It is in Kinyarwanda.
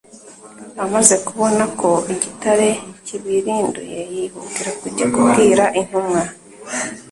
amaze kubona ko igitare kibirinduye yihutira kujya kubwira intumwa.